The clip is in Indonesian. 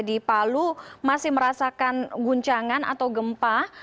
di palu masih merasakan guncangan atau gempa